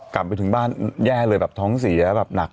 กลับไปถึงบ้านแย่เลยแบบท้องเสียแบบหนัก